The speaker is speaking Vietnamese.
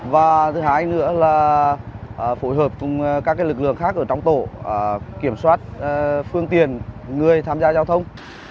và thứ hai nữa là phối hợp cùng các lực lượng khác ở trong tổ kiểm soát phương tiện người tham gia giao thông